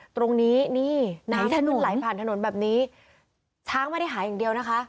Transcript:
ตรงนี้นี่ไหนถนนไหลผ่านถนนแบบนี้ช้างไม่ได้หายอย่างเดียวนะคะ